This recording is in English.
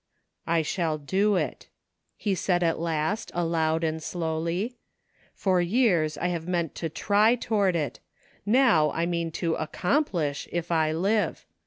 " I shall do it," he said at last, aloud and slowly. " For years I have meant to try toward it ; now I mean to accomplish, if I live.